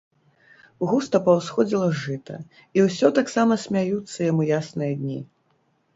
Густа паўсходзіла жыта, і ўсё таксама смяюцца яму ясныя дні.